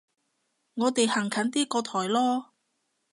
我哋行近啲個台囉